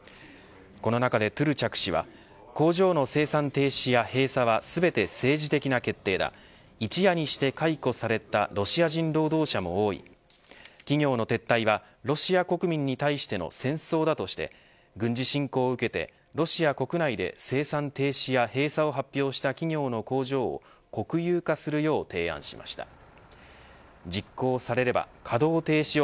この中で、トゥルチャク氏は工場の生産停止や閉鎖は全て政治的な決定だ一夜にして解雇されたロシア人労働者も多い企業の撤退はロシア国民に対しての戦争だとして軍事侵攻を受けてロシア国内で生産停止や閉鎖を発表した企業の工場を国有化するよう提案しました。